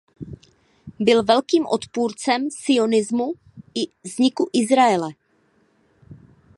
Byl velkým odpůrcem sionismu i vzniku Izraele.